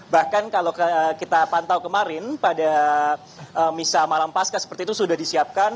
bahkan kalau kita pantau kemarin pada misa malam pasca seperti itu sudah disiapkan